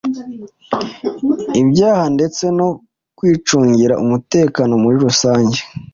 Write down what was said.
ibyaha ndetse no kwicungira umutekano muri rusange.